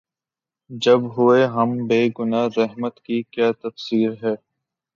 جب ہوئے ہم بے گنہ‘ رحمت کی کیا تفصیر ہے؟